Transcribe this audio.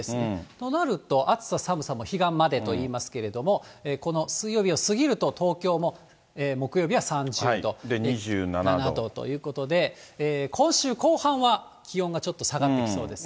となると、暑さ寒さも彼岸までと言いますけれども、この水曜日を過ぎると、東京も木曜日は３０度。ということで、今週後半は気温がちょっと下がってきそうですね。